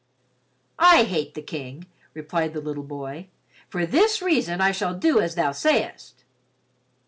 "I hate the King," replied the little boy. "For this reason I shall do as thou sayest."